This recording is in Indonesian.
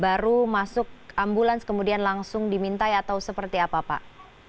baru masuk ambulans kemudian langsung dimintai atau seperti apa pak